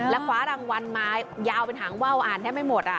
และขวาดังวันมายาวเป็นหางเว่าอ่านแทบไม่หมด